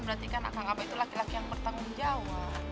berarti kan kang abah itu laki laki yang bertanggung jawab